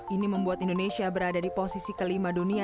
ini membuat indonesia berada di posisi kelima dunia